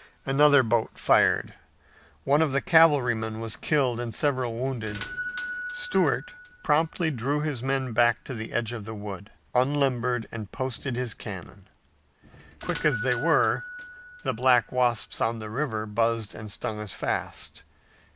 Another boat fired. One of the cavalrymen was killed and several wounded. Stuart promptly drew his men back to the edge of the wood, unlimbered and posted his cannon. Quick as they were, the black wasps on the river buzzed and stung as fast.